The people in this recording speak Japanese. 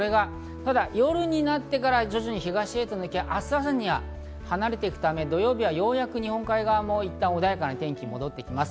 夜になってから徐々に東へと抜け、明日朝には離れていくため、土曜日はようやく日本海側も穏やかな天気が戻ってきます。